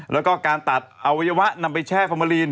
แล้วก็การตัดอวัยวะนำไปแช่ฟอร์มาลีน